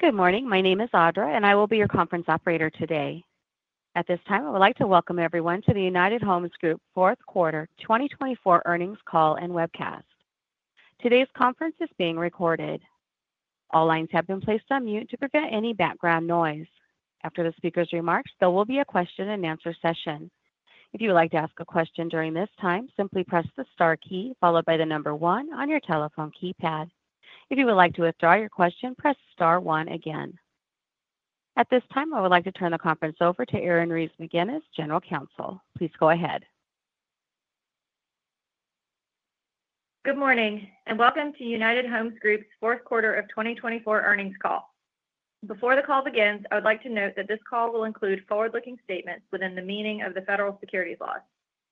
Good morning. My name is Audra, and I will be your conference operator today. At this time, I would like to welcome everyone to the United Homes Group Q4 2024 earnings call and webcast. Today's conference is being recorded. All lines have been placed on mute to prevent any background noise. After the speaker's remarks, there will be a question-and-answer session. If you would like to ask a question during this time, simply press the star key followed by the number 1 on your telephone keypad. If you would like to withdraw your question, press star 1 again. At this time, I would like to turn the conference over to Erin Reeves McGinnis, General Counsel. Please go ahead. Good morning and welcome to United Homes Group's Q4 of 2024 Earnings Call. Before the call begins, I would like to note that this call will include forward-looking statements within the meaning of the federal securities law.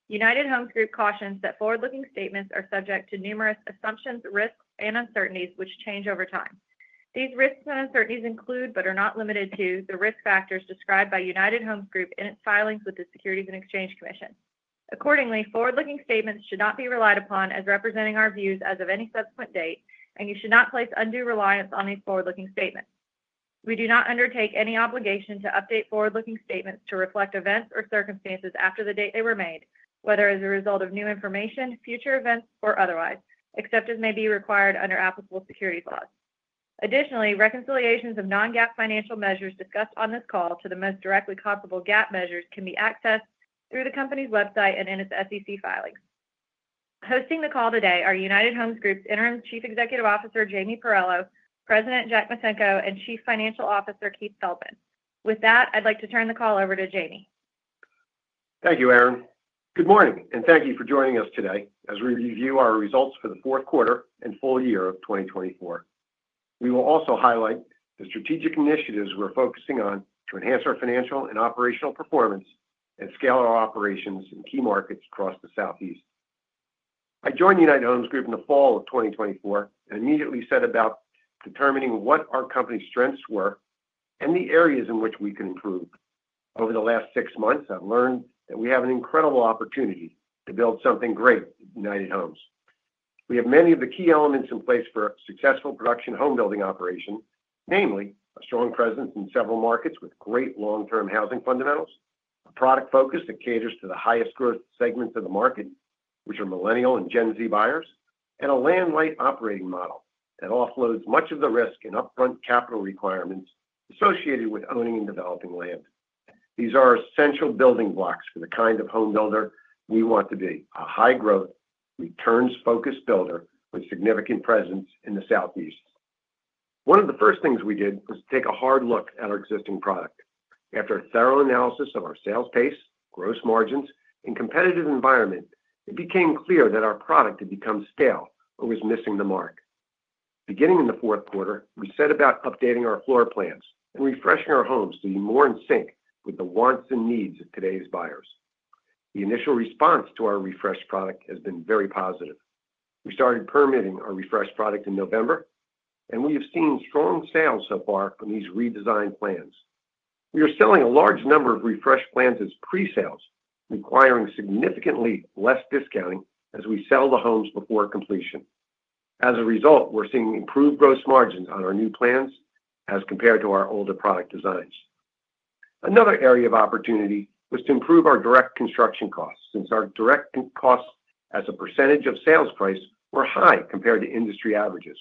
United Homes Group cautions that forward-looking statements are subject to numerous assumptions, risks, and uncertainties which change over time. These risks and uncertainties include, but are not limited to, the risk factors described by United Homes Group in its filings with the Securities and Exchange Commission. Accordingly, forward-looking statements should not be relied upon as representing our views as of any subsequent date, and you should not place undue reliance on these forward-looking statements. We do not undertake any obligation to update forward-looking statements to reflect events or circumstances after the date they were made, whether as a result of new information, future events, or otherwise, except as may be required under applicable securities laws. Additionally, reconciliations of non-GAAP financial measures discussed on this call to the most directly comparable GAAP measures can be accessed through the company's website and in its SEC filings. Hosting the call today are United Homes Group's Interim Chief Executive Officer Jamie Pirrello, President Jack Micenko, and Chief Financial Officer Keith Feldman. With that, I'd like to turn the call over to Jamie. Thank you, Erin. Good morning, and thank you for joining us today as we review our results for the Q4 and full year of 2024. We will also highlight the strategic initiatives we're focusing on to enhance our financial and operational performance and scale our operations in key markets across the Southeast. I joined United Homes Group in the fall of 2024 and immediately set about determining what our company's strengths were and the areas in which we could improve. Over the last six months, I've learned that we have an incredible opportunity to build something great at United Homes Group. We have many of the key elements in place for a successful production home building operation, namely a strong presence in several markets with great long-term housing fundamentals, a product focus that caters to the highest growth segments of the market, which are millennial and Gen Z buyers, and a land-light operating model that offloads much of the risk and upfront capital requirements associated with owning and developing land. These are essential building blocks for the kind of home builder we want to be: a high-growth, returns-focused builder with significant presence in the Southeast. One of the first things we did was to take a hard look at our existing product. After a thorough analysis of our sales pace, gross margins, and competitive environment, it became clear that our product had become stale or was missing the mark. Beginning in the Q4, we set about updating our floor plans and refreshing our homes to be more in sync with the wants and needs of today's buyers. The initial response to our refreshed product has been very positive. We started permitting our refreshed product in November, and we have seen strong sales so far from these redesigned plans. We are selling a large number of refreshed plans as pre-sales, requiring significantly less discounting as we sell the homes before completion. As a result, we're seeing improved gross margins on our new plans as compared to our older product designs. Another area of opportunity was to improve our direct construction costs since our direct costs as a percentage of sales price were high compared to industry averages.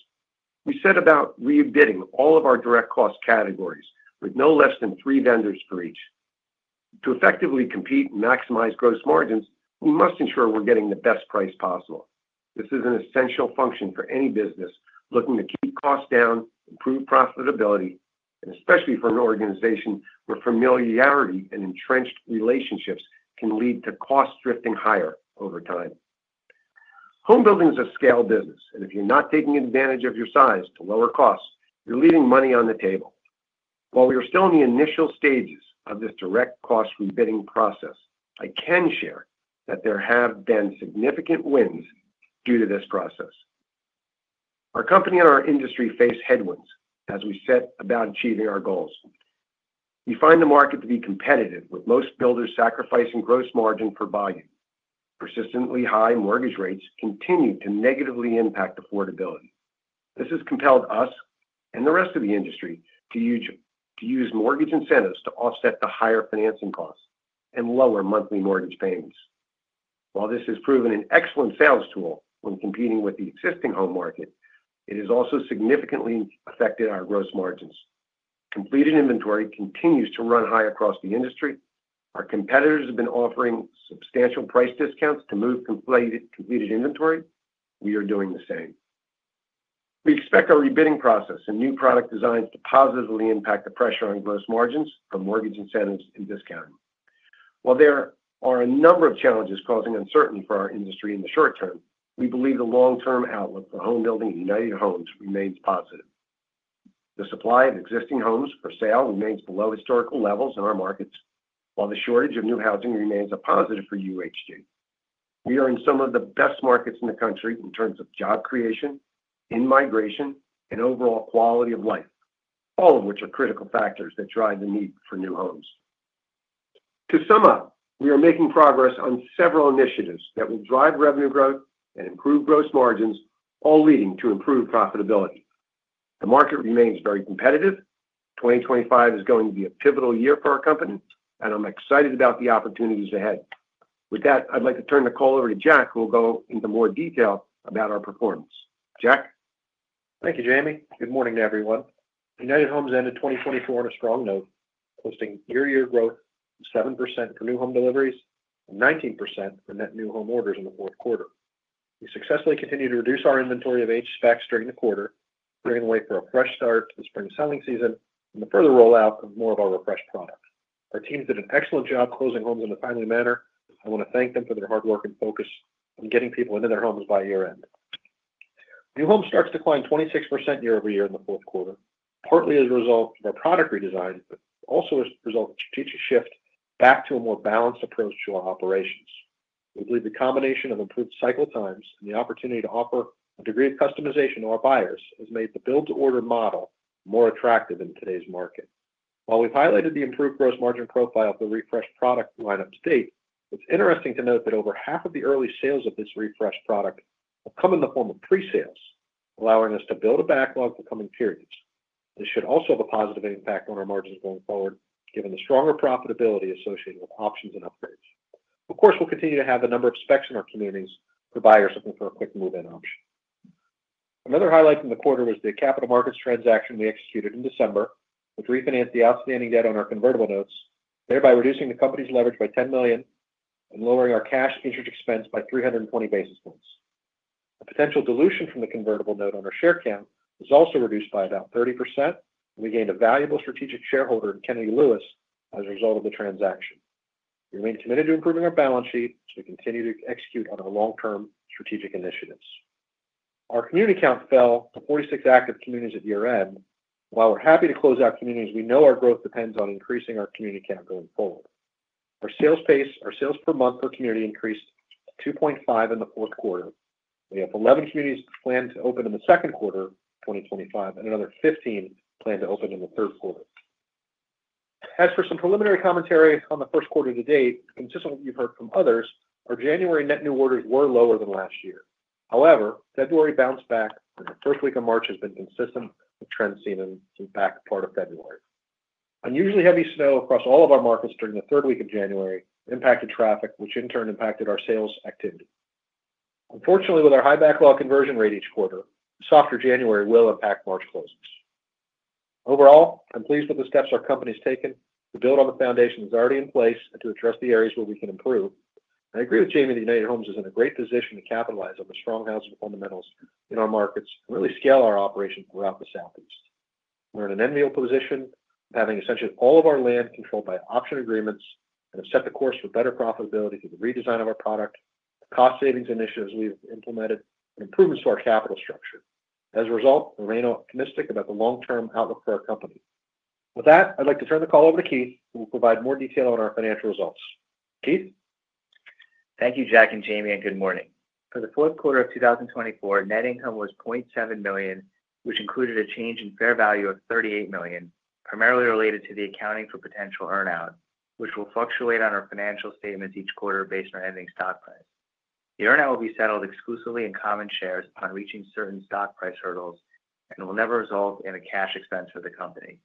We set about rebidding all of our direct cost categories with no less than three vendors for each. To effectively compete and maximize gross margins, we must ensure we're getting the best price possible. This is an essential function for any business looking to keep costs down, improve profitability, and especially for an organization where familiarity and entrenched relationships can lead to costs drifting higher over time. Home building is a scaled business, and if you're not taking advantage of your size to lower costs, you're leaving money on the table. While we are still in the initial stages of this direct cost rebidding process, I can share that there have been significant wins due to this process. Our company and our industry face headwinds as we set about achieving our goals. We find the market to be competitive, with most builders sacrificing gross margin for volume. Persistently high mortgage rates continue to negatively impact affordability. This has compelled us and the rest of the industry to use mortgage incentives to offset the higher financing costs and lower monthly mortgage payments. While this has proven an excellent sales tool when competing with the existing home market, it has also significantly affected our gross margins. Completed inventory continues to run high across the industry. Our competitors have been offering substantial price discounts to move completed inventory. We are doing the same. We expect our rebidding process and new product designs to positively impact the pressure on gross margins from mortgage incentives and discounting. While there are a number of challenges causing uncertainty for our industry in the short term, we believe the long-term outlook for home building at United Homes Group remains positive. The supply of existing homes for sale remains below historical levels in our markets, while the shortage of new housing remains a positive for UHG. We are in some of the best markets in the country in terms of job creation, immigration, and overall quality of life, all of which are critical factors that drive the need for new homes. To sum up, we are making progress on several initiatives that will drive revenue growth and improve gross margins, all leading to improved profitability. The market remains very competitive. 2025 is going to be a pivotal year for our company, and I'm excited about the opportunities ahead. With that, I'd like to turn the call over to Jack, who will go into more detail about our performance. Jack? Thank you, Jamie. Good morning to everyone. United Homes Group ended 2024 on a strong note, posting year-to-year growth of 7% for new home deliveries and 19% for net new home orders in the Q4. We successfully continued to reduce our inventory of H specs during the quarter, paving the way for a fresh start to the spring selling season and the further rollout of more of our refreshed product. Our teams did an excellent job closing homes in a timely manner. I want to thank them for their hard work and focus on getting people into their homes by year-end. New home starts declined 26% year-over-year in the Q4, partly as a result of our product redesign, but also as a result of a strategic shift back to a more balanced approach to our operations. We believe the combination of improved cycle times and the opportunity to offer a degree of customization to our buyers has made the build-to-order model more attractive in today's market. While we've highlighted the improved gross margin profile of the refreshed product lineup to date, it's interesting to note that over half of the early sales of this refreshed product have come in the form of pre-sales, allowing us to build a backlog for coming periods. This should also have a positive impact on our margins going forward, given the stronger profitability associated with options and upgrades. Of course, we'll continue to have a number of specs in our communities for buyers looking for a quick move-in option. Another highlight in the quarter was the capital markets transaction we executed in December, which refinanced the outstanding debt on our convertible notes, thereby reducing the company's leverage by $10 million and lowering our cash interest expense by 320 basis points. A potential dilution from the convertible note on our share count was also reduced by about 30%, and we gained a valuable strategic shareholder in Kennedy Lewis as a result of the transaction. We remain committed to improving our balance sheet, so we continue to execute on our long-term strategic initiatives. Our community count fell to 46 active communities at year-end. While we're happy to close out communities, we know our growth depends on increasing our community count going forward. Our sales pace, our sales per month per community, increased to 2.5 in the Q4. We have 11 communities planned to open in the Q2 of 2025 and another 15 planned to open in the Q3. As for some preliminary commentary on the Q1 to date, consistent with what you've heard from others, our January net new orders were lower than last year. However, February bounced back, and the first week of March has been consistent with trends seen in the back part of February. Unusually heavy snow across all of our markets during the third week of January impacted traffic, which in turn impacted our sales activity. Unfortunately, with our high backlog conversion rate each quarter, a softer January will impact March closings. Overall, I'm pleased with the steps our company has taken to build on the foundations that are already in place and to address the areas where we can improve. I agree with Jamie that United Homes Group is in a great position to capitalize on the strong housing fundamentals in our markets and really scale our operations throughout the Southeast. We're in an enviable position of having essentially all of our land controlled by option agreements and have set the course for better profitability through the redesign of our product, the cost savings initiatives we've implemented, and improvements to our capital structure. As a result, we're optimistic about the long-term outlook for our company. With that, I'd like to turn the call over to Keith, who will provide more detail on our financial results. Keith? Thank you, Jack and Jamie, and good morning. For the Q4 of 2024, net income was $0.7 million, which included a change in fair value of $38 million, primarily related to the accounting for potential earnout, which will fluctuate on our financial statements each quarter based on our ending stock price. The earnout will be settled exclusively in common shares upon reaching certain stock price hurdles and will never result in a cash expense for the company.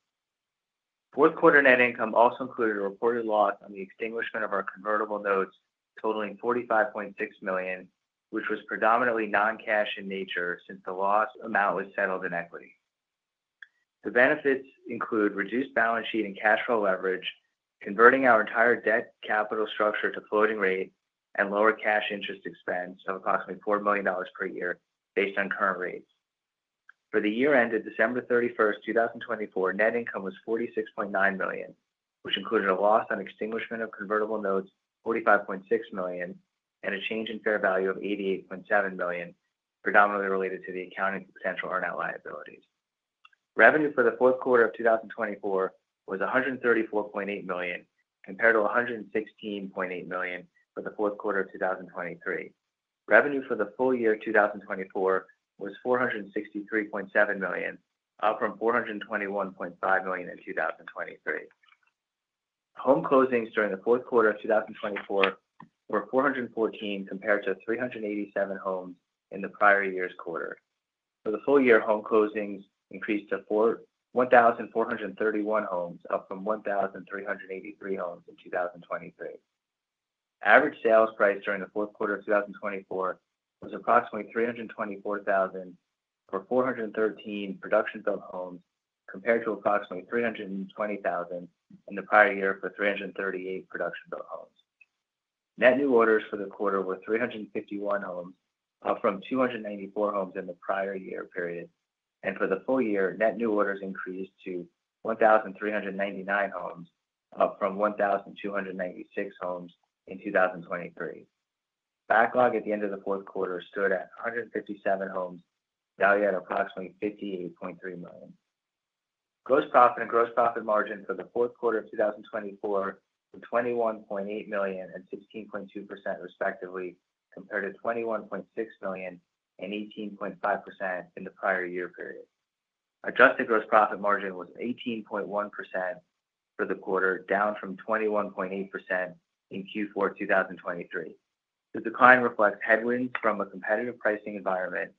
Q4 net income also included a reported loss on the extinguishment of our convertible notes, totaling $45.6 million, which was predominantly non-cash in nature since the loss amount was settled in equity. The benefits include reduced balance sheet and cash flow leverage, converting our entire debt capital structure to floating rate, and lower cash interest expense of approximately $4 million per year based on current rates. For the year-end of December 31, 2024, net income was $46.9 million, which included a loss on extinguishment of convertible notes of $45.6 million and a change in fair value of $88.7 million, predominantly related to the accounting for potential earnout liabilities. Revenue for the Q4 of 2024 was $134.8 million, compared to $116.8 million for the Q4 of 2023. Revenue for the full year of 2024 was $463.7 million, up from $421.5 million in 2023. Home closings during the Q4 of 2024 were 414, compared to 387 homes in the prior year's quarter. For the full year, home closings increased to 1,431 homes, up from 1,383 homes in 2023. Average sales price during the Q4 of 2024 was approximately $324,000 for 413 production-built homes, compared to approximately $320,000 in the prior year for 338 production-built homes. Net new orders for the quarter were 351 homes, up from 294 homes in the prior year period. For the full year, net new orders increased to 1,399 homes, up from 1,296 homes in 2023. Backlog at the end of the Q4 stood at 157 homes, valued at approximately $58.3 million. Gross profit and gross profit margin for the Q4 of 2024 were $21.8 million and 16.2%, respectively, compared to $21.6 million and 18.5% in the prior year period. Adjusted gross profit margin was 18.1% for the quarter, down from 21.8% in Q4 2023. The decline reflects headwinds from a competitive pricing environment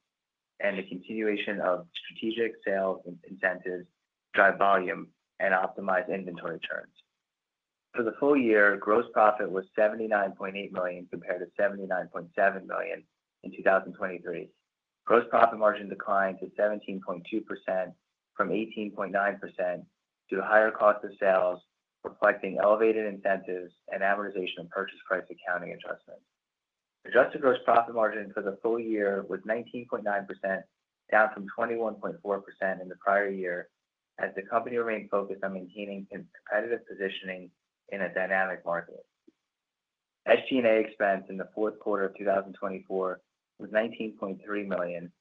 and the continuation of strategic sales incentives to drive volume and optimize inventory turns. For the full year, gross profit was $79.8 million compared to $79.7 million in 2023. Gross profit margin declined to 17.2% from 18.9% due to higher cost of sales, reflecting elevated incentives and amortization of purchase price accounting adjustments. Adjusted gross profit margin for the full year was 19.9%, down from 21.4% in the prior year, as the company remained focused on maintaining competitive positioning in a dynamic market. SG&A expense in the Q4 of 2024 was $19.3 million.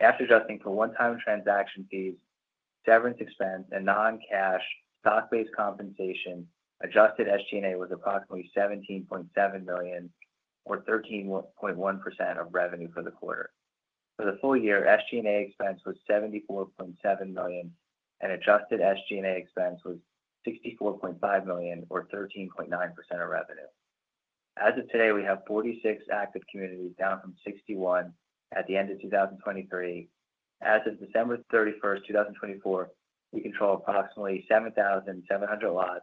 After adjusting for one-time transaction fees, severance expense, and non-cash stock-based compensation, adjusted SG&A was approximately $17.7 million, or 13.1% of revenue for the quarter. For the full year, SG&A expense was $74.7 million, and adjusted SG&A expense was $64.5 million, or 13.9% of revenue. As of today, we have 46 active communities, down from 61 at the end of 2023. As of December 31, 2024, we control approximately 7,700 lots,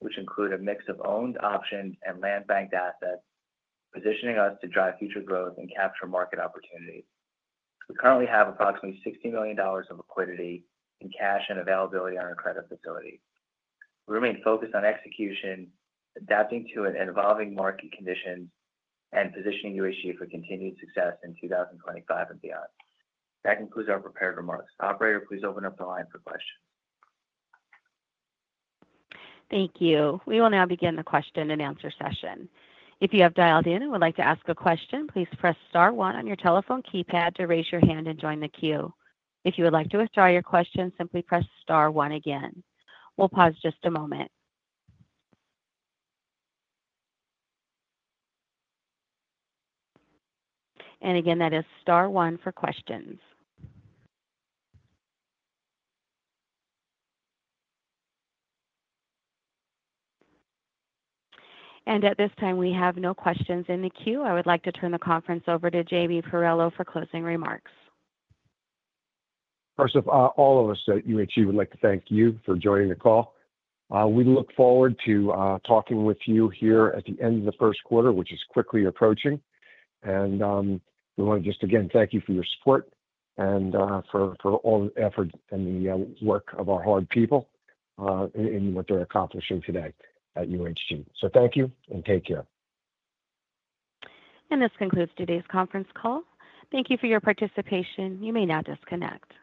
which include a mix of owned, optioned and land banked assets, positioning us to drive future growth and capture market opportunities. We currently have approximately $60 million of liquidity in cash and availability on our credit facility. We remain focused on execution, adapting to evolving market conditions, and positioning United Homes Group for continued success in 2025 and beyond. That concludes our prepared remarks. Operator, please open up the line for questions. Thank you. We will now begin the question and answer session. If you have dialed in and would like to ask a question, please press Star 1 on your telephone keypad to raise your hand and join the queue. If you would like to withdraw your question, simply press Star 1 again. We'll pause just a moment. Again, that is Star 1 for questions. At this time, we have no questions in the queue. I would like to turn the conference over to Jamie Pirrello for closing remarks. First of all, all of us at UHG would like to thank you for joining the call. We look forward to talking with you here at the end of the Q1, which is quickly approaching. We want to just, again, thank you for your support and for all the effort and the work of our hard people in what they're accomplishing today at UHG. Thank you and take care. This concludes today's conference call. Thank you for your participation. You may now disconnect.